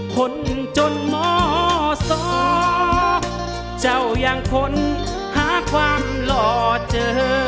คนจนหมอสองเจ้ายังค้นหาความหล่อเจอ